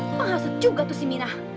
pengasut juga tuh si mina